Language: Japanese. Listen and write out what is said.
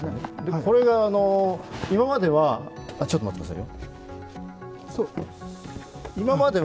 これが今まではちょっと待ってくださいよ。